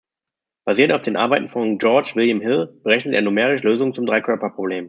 Basierend auf den Arbeiten von George William Hill, berechnete er numerisch Lösungen zum Dreikörperproblem.